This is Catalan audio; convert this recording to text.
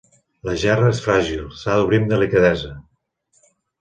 La gerra és fràgil, s'ha d'obrir amb delicadesa.